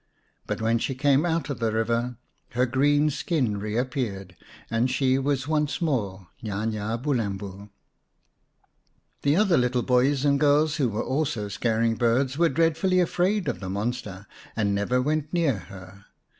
But when she came out of the river her green skin reappeared, and she was once more Nya nya Bulembu. The other little boys and girls who were also scaring birds were dreadfully afraid of the monster, and never went near her.